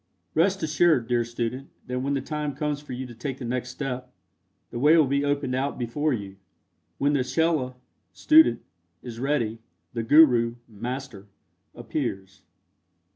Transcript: Rest assured, dear student, that when the time comes for you to take the next step, the way will be opened out before you. "When the chela (student) is ready, the guru (master) appears."